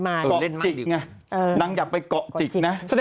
ต้องมีแต่คนในโซเชียลว่าถ้ามีข่าวแบบนี้บ่อยทำไมถึงเชื่อขนาดใด